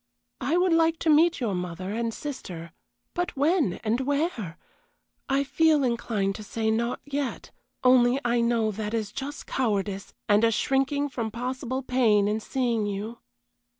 I would like to meet your mother and sister but when, and where? I feel inclined to say, not yet, only I know that is just cowardice, and a shrinking from possible pain in seeing you.